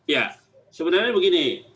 ya sebenarnya begini